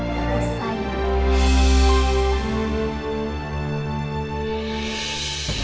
kita akan dulu abis ini